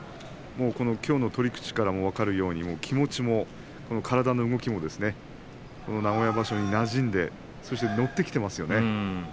きょうの取り口からも分かるように気持ちも体の動きもこの名古屋場所になじんでそして乗ってきてますよね。